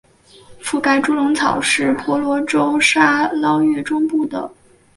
附盖猪笼草是婆罗洲沙捞越中部的霍斯山脉特有的热带食虫植物。